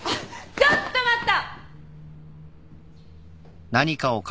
ちょっと待った！